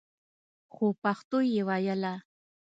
خو پښتو يې ويله.